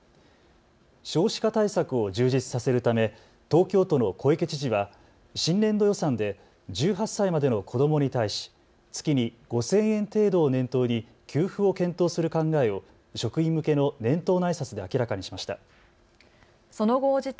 少子化対策を充実させるため東京都の小池知事は新年度予算で１８歳までの子どもに対し月に５０００円程度を念頭に給付を検討する考えを職員向けの年頭のあいさつで明らかにしました。